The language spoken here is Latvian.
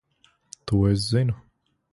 To es zinu.